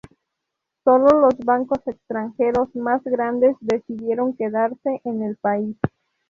Solo los bancos extranjeros más grandes decidieron quedarse en el país.